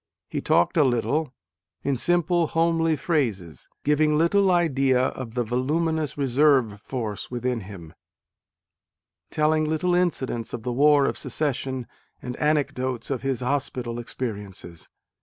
He talked a little, in simple homely phrases, giving little idea of the voluminous reserve force within him : telling little incidents of the War of Secession and anecdotes of his hospital experiences.